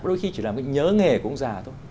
đôi khi chỉ là cái nhớ nghề của ông già thôi